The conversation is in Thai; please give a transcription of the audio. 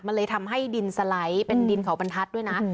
มันเลยทำให้ดินสไลด์เป็นดินเขาบรรทัศน์ด้วยนะ